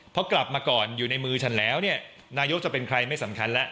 พอกลับมาก่อนอยู่ในมือฉันแล้วเนี่ยนายกจะเป็นใครไม่สำคัญแล้ว